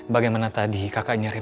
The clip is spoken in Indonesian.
bagaimana tadi kakak nyariin